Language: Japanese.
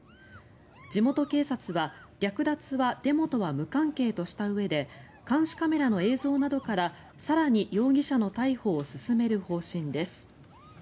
地元警察は、略奪はデモとは無関係としたうえで監視カメラの映像などから更に容疑者の逮捕を進める方針です。